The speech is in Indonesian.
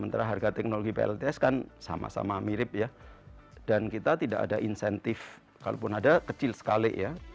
sementara harga teknologi plts kan sama sama mirip ya dan kita tidak ada insentif kalaupun ada kecil sekali ya